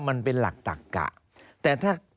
มันเป็นหลักตักกะ